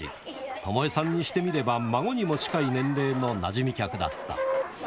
トモエさんにしてみれば、孫にも近い年齢のなじみ客だった。